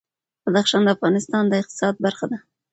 بدخشان د افغانستان د اقتصاد برخه ده.